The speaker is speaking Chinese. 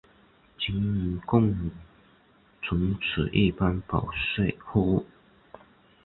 仅供存储一般保税货物。